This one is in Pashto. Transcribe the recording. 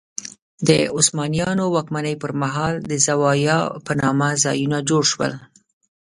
د عثمانیانو واکمنۍ پر مهال زوايا په نامه ځایونه جوړ شول.